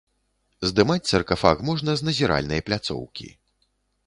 Здымаць саркафаг можна з назіральнай пляцоўкі.